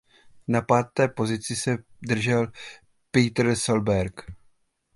Na páté pozici se držel Petter Solberg.